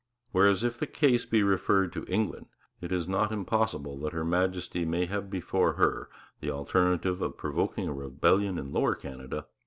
Whereas if the case be referred to England, it is not impossible that Her Majesty may have before her the alternative of provoking a rebellion in Lower Canada